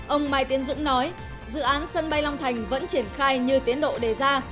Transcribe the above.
ông mai tiến dũng nói dự án sân bay long thành vẫn triển khai như tiến độ đề ra